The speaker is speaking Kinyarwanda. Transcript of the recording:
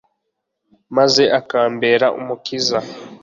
maze ukambera umukiza